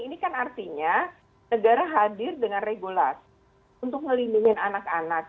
ini kan artinya negara hadir dengan regulasi untuk melindungi anak anak